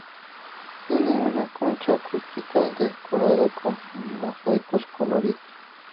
Tiene una concha acústica decorada con mosaicos coloridos.